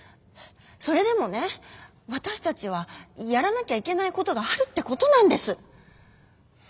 それでもね私たちはやらなきゃいけないことがあるってことなんです！